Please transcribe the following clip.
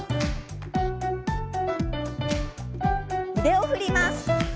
腕を振ります。